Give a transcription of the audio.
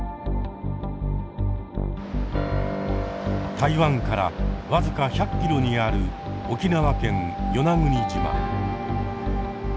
台湾から僅か１００キロにある沖縄県与那国島。